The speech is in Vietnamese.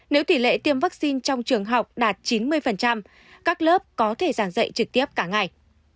nếu tỷ lệ tiêm vaccine trong trường học đạt chín mươi các lớp có thể giảng dạy trực tiếp cả ngày